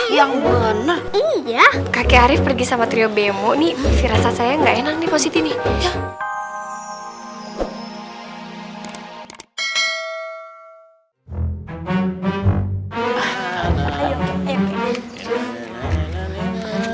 yang benar iya kakek arief pergi sama teriobemu nih rasa saya nggak enak nih posisi ini ya